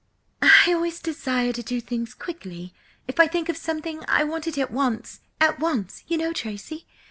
"I always desire to do things quickly–if I think of something, I want it at once–at once! You know, Tracy!